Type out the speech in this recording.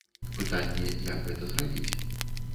Пытанне, як гэта зрабіць.